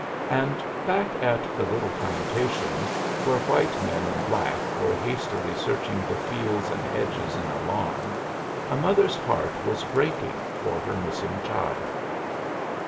And back at the little plantation, where white men and black were hastily searching the fields and hedges in alarm, a mother's heart was breaking for her missing child.